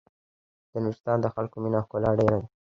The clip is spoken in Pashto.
د نورستان د خلکو مينه او ښکلا ډېره ده.